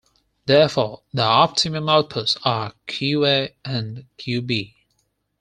Therefore, the optimum outputs are Qa and Qb.